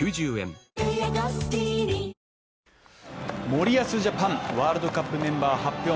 森保ジャパン、ワールドカップメンバー発表